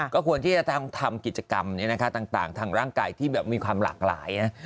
ก็ควรที่จะทำกิจกรรมต่างทางร่างกายที่แบบมีความหลากหลายนะ